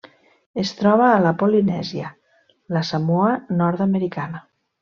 Es troba a la Polinèsia: la Samoa Nord-americana.